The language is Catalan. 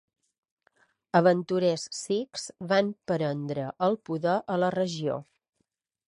Aventurers sikhs van prendre el poder a la regió.